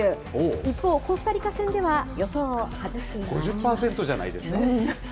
一方、コスタリカ戦では予想を外５０％じゃないですか。